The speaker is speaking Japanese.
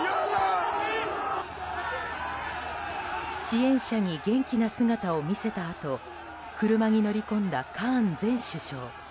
支援者に元気な姿を見せたあと車に乗り込んだカーン前首相。